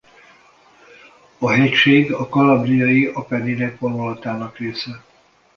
A hegység a Calabriai-Appenninek vonulatának része.